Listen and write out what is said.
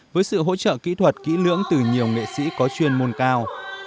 với sự hỗ trợ kỹ thuật kỹ lưỡng từ nhiều nghệ sĩ có chuyên môn cao